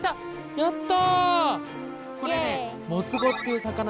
やった！